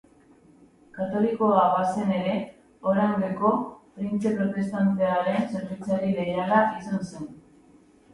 Katolikoa bazen ere, Orangeko printze protestantearen zerbitzari leiala izan zen.